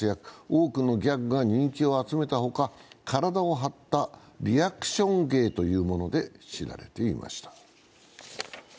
多くのギャグが人気を集めた他、体を張ったリアクション芸というもので知られていました。